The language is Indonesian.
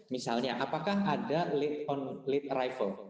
misalnya apakah ada late arrival